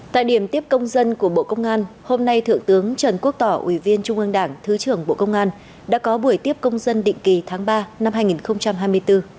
tại điểm tiếp công dân của bộ công an hôm nay thượng tướng trần quốc tỏ ủy viên trung ương đảng thứ trưởng bộ công an đã có buổi tiếp công dân định kỳ tháng ba năm hai nghìn hai mươi bốn